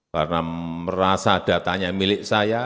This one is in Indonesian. karena merasa datanya milik saya